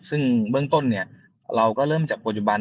ซึ่งเบื้องต้นเราก็เริ่มจากปัจจุบัน